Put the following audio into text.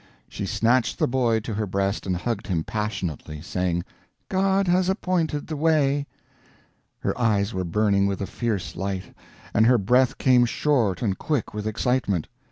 She snatched the boy to her breast and hugged him passionately, saying, "God has appointed the way!" Her eyes were burning with a fierce light, and her breath came short and quick with excitement.